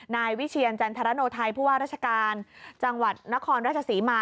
นายวิเชียรจันทรโนไทยผู้ว่าราชการจังหวัดนครราชศรีมา